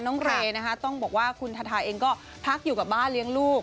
เรย์นะคะต้องบอกว่าคุณทาทาเองก็พักอยู่กับบ้านเลี้ยงลูก